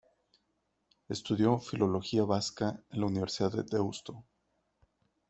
Estudió filología vasca en la Universidad de Deusto.